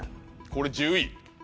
これ１０位？